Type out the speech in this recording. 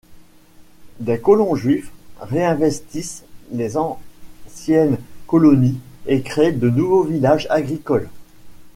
Des colons juifs réinvestissent les anciennes colonies et créent de nouveaux villages agricoles.